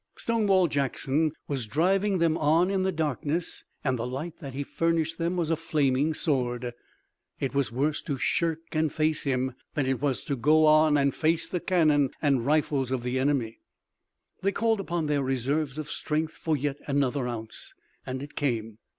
Stonewall Jackson was driving them on in the darkness and the light that he furnished them was a flaming sword. It was worse to shirk and face him, than it was to go on and face the cannon and rifles of the enemy. They called upon their reserves of strength for yet another ounce, and it came.